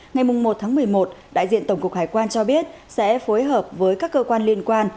ngày một một mươi một đại diện tổng cục hải quan cho biết sẽ phối hợp với các cơ quan liên quan